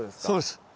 そうです。